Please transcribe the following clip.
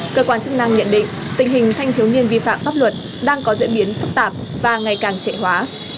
cơ quan chức năng nhận định tình hình thanh thiếu niên vi phạm pháp luật đang có diễn biến phức tạp và ngày càng trẻ hóa